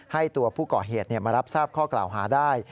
ให้ตัวผู้ก่อเหตุมารับทราบข้อกล่าวหาได้